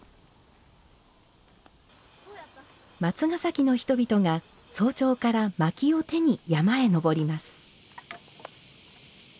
松ヶ崎の人々が、早朝からまきを手に山へ登ります。